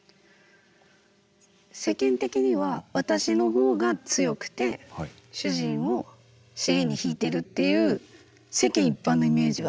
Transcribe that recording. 世間的には私のほうが強くて主人を尻に敷いてるっていう世間一般のイメージはほぼそうなんですけど。